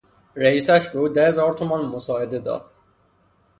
رییسش به او ده هزار تومان مساعده داد.